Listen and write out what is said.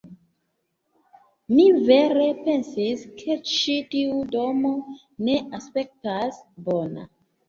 Mi vere pensis, ke ĉi tiu domo ne aspektas bona